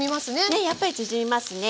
ねっやっぱり縮みますね。